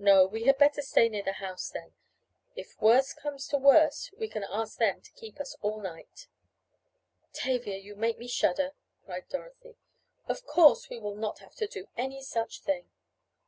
No, we had better stay near the house, then, if worst comes to worst, we can ask them to keep us all night " "Tavia you make me shudder," cried Dorothy. "Of course we will not have to do any such thing."